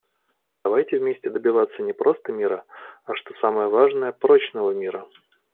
Давайте вместе добиваться не просто мира, а, что самое важное, прочного мира.